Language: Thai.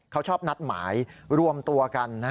เขาชอบนัดหมายรวมตัวกัน